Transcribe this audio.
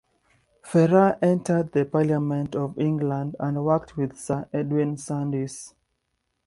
Ferrar entered the Parliament of England and worked with Sir Edwin Sandys.